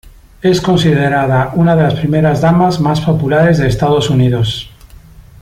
Es considerada una de las primeras damas más populares de Estados Unidos.